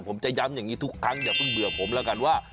ผมจะย้ำอย่างนี้ทุกครั้งอย่าเพิ่งเบื่อผมแล้วกันว่า